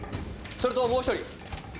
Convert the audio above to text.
それともう１人。